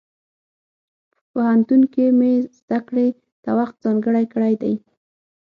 په پوهنتون کې مې زده کړې ته وخت ځانګړی کړی دی.